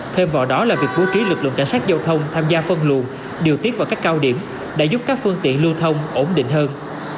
thêm vào đó là việc bố trí lực lượng cảnh sát giao thông tham gia phân luồn điều tiết vào các cao điểm đã giúp các phương tiện lưu thông ổn định hơn